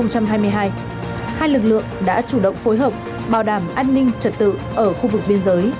năm hai nghìn hai mươi hai hai lực lượng đã chủ động phối hợp bảo đảm an ninh trật tự ở khu vực biên giới